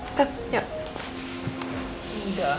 gak jadi kok masih dipaksa